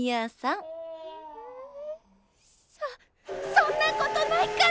そそんなことないから！